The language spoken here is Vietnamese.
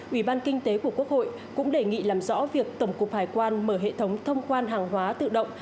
ủy ban kinh tế của quốc hội cũng đề nghị làm rõ việc tổng cục hải quan mở hệ thống thông quan hàng hóa tự động